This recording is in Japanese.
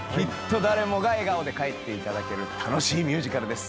誰もが笑顔で帰っていただける楽しいミュージカルです。